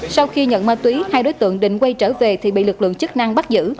sau khi nhận ma túy hai đối tượng định quay trở về thì bị lực lượng chức năng bắt giữ